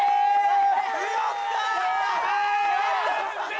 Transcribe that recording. やったー！